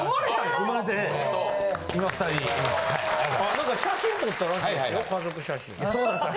なんか写真撮ったらしいんですよ。